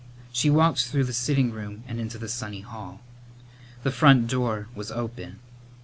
She walked through the sitting room and into the sunny hall. The front door was open.